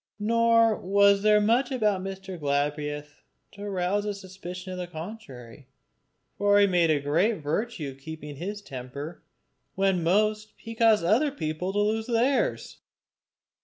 Nor was there much about Mr. Galbraith to rouse a suspicion of the contrary; for he made a great virtue of keeping his temper when most he caused other people to lose theirs.